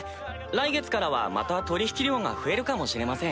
来月からはまた取引量が増えるかもしれません。